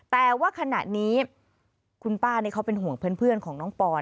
แต่ว่าขณะนี้คุณป้านี่เขาเป็นห่วงเพื่อนของน้องปอน